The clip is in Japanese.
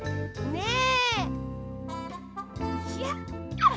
ねえ。